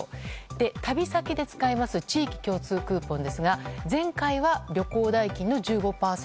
旅先で使えます地域共通クーポンですが前回は旅行代金の１５％。